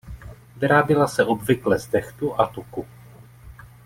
Vyráběla se obvykle z dehtu a tuku.